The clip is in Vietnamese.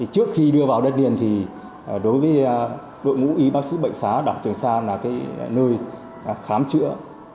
trước khi đưa vào đất điền thì đối với đội ngũ y bác sĩ bệnh xá đặc trường xa là nơi khám chữa